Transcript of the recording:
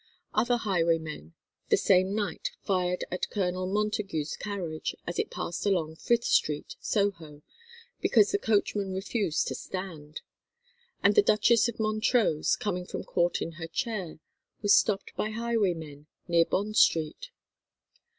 Other highwaymen the same night fired at Colonel Montague's carriage as it passed along Frith Street, Soho, because the coachman refused to stand; and the Dutchess of Montrose, coming from court in her chair, was stopped by highwaymen near Bond Street.